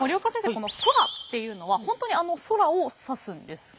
この「空」っていうのは本当にあの「空」を指すんですか？